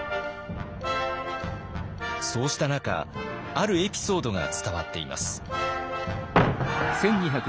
そうした中あるエピソードが伝わっています。